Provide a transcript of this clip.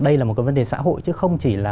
đây là một cái vấn đề xã hội chứ không chỉ là